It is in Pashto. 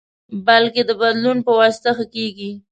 بلکې د بدلون پواسطه ښه کېږي.